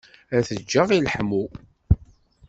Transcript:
Ad t-ǧǧeɣ i leḥmu.